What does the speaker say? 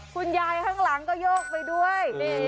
คุณยายข้างหลังก็โยกไปด้วย